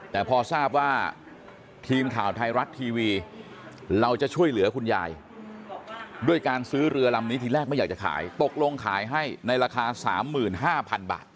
แต่พอทราบว่าทีมข่าวไทยรัฐทีวีเราจะช่วยเหลือคุณยายด้วยการซื้อเรือลำนี้ทีแรกไม่อยากจะขายตกลงขายให้ในราคา๓๕๐๐๐บาท